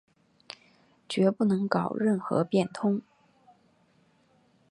决不能搞任何变通